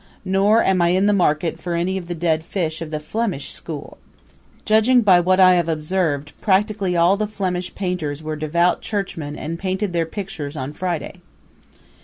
Nor am I in the market for any of the dead fish of the Flemish school. Judging by what I have observed, practically all the Flemish painters were devout churchmen and painted their pictures on Friday.